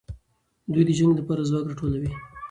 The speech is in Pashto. دوی د جنګ لپاره ځواک راټولوي.